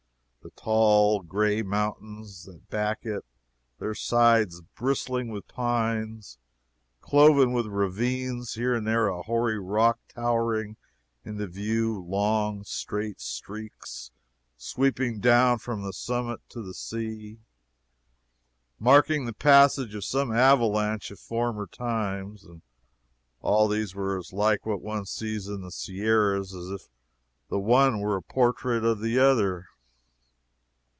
The tall, gray mountains that back it, their sides bristling with pines cloven with ravines here and there a hoary rock towering into view long, straight streaks sweeping down from the summit to the sea, marking the passage of some avalanche of former times all these were as like what one sees in the Sierras as if the one were a portrait of the other.